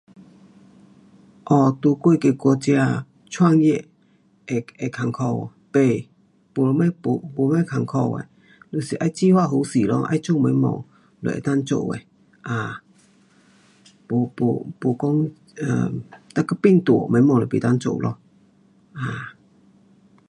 um 在我那个国家啊，创业会，会困苦，不，不什么，不什么困苦呃，就是要计划好势咯，要做什么都可以做的。没，没没讲，若讲懒惰，什么东西都不能做咯。um